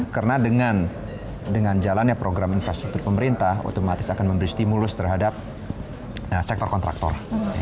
karena dengan jalannya program infrastruktur pemerintah otomatis akan memberi stimulus terhadap sektor kontraktor